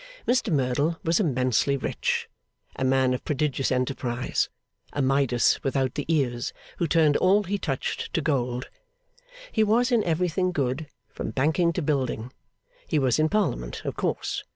Mr Merdle was immensely rich; a man of prodigious enterprise; a Midas without the ears, who turned all he touched to gold. He was in everything good, from banking to building. He was in Parliament, of course.